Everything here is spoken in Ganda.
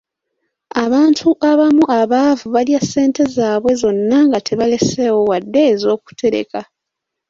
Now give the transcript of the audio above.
Abantu abamu abaavu balya ssente zaabwe zonna nga tebaleseeyo wadde ez'okutereka.